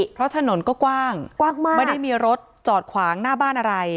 เพราะถนนก็กว้างมากไม่ได้มีรถจอดขวางหน้าบ้านอะไร